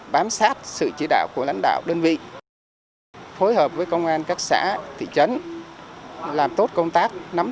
bám sát sự chỉ đạo của lãnh đạo đơn vị phối hợp với công an các xã thị trấn làm tốt công tác nắm